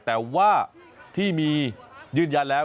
แต่ว่าที่มียืนยันแล้ว